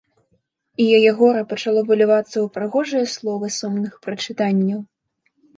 І яе гора пачало вылівацца ў прыгожыя словы сумных прычытанняў.